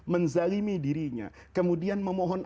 menzalimi dirinya kemudian memohon